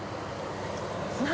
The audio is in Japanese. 何？